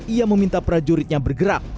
ia meminta prajuritnya bergerak